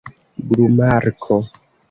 glumarko